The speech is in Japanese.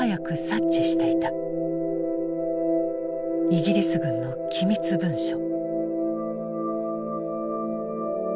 イギリス軍の機密文書。